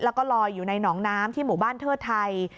แล้วก็ลอยอยู่ในหนองน้ำที่หมู่บ้านเทิดไทย